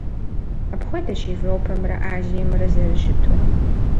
Апхуэдэщ Европэмрэ Азиемрэ зэрыщыту.